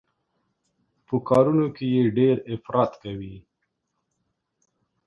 په کارونو کې يې ډېر افراط کوي.